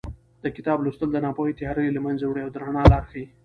د کتاب لوستل د ناپوهۍ تیارې له منځه وړي او د رڼا لار ښیي.